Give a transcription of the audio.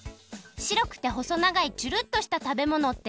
しろくてほそながいチュルッとした食べものってなんだ？